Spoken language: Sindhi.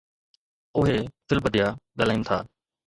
اهي في البديه ڳالهائين ٿا.